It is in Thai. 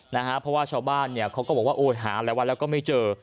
เพราะว่าชาวบ้านเขาก็บอกว่าโอดหาอะไรวะแล้วก็ไม่เจอ